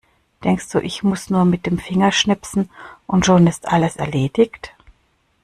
Denkst du, ich muss nur mit dem Finger schnipsen und schon ist alles erledigt?